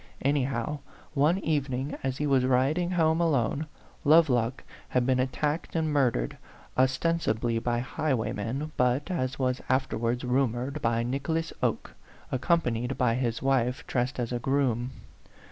Anyhow, one evening, as he was rid ing home alone, Lovelock had been attacked A PHANTOM LOVER, 45 and murdered, ostensibly by highwaymen, but, as was afterwards rumored, by Nicholas Oke, accompanied by his wife dressed as a groom.